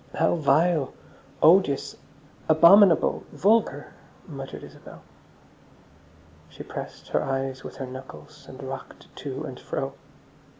"How vile, odious, abominable, vulgar," muttered Isabel. She pressed her eyes with her knuckles and rocked to and fro.